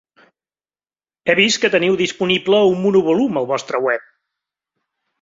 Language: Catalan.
He vist que teniu disponible un monovolum al vostre web.